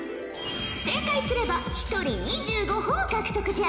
正解すれば一人２５ほぉ獲得じゃ。